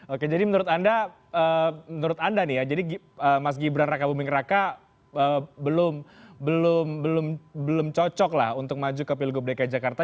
oke jadi menurut anda nih ya jadi mas gibran raka buming raka belum cocok lah untuk maju ke pilgub dki jakarta